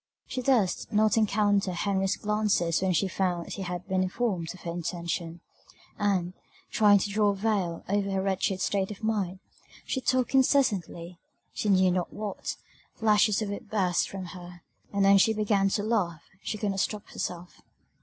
She durst not encounter Henry's glances when she found he had been informed of her intention; and, trying to draw a veil over her wretched state of mind, she talked incessantly, she knew not what; flashes of wit burst from her, and when she began to laugh she could not stop herself.